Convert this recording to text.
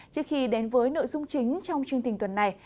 trước khi đến với nội dung chính trong chương trình tuần này